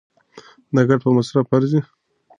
دا ګټه په مصرف ارزي.